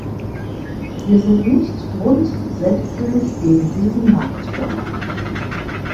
Wir sind nicht grundsätzlich gegen diesen Marktbereich.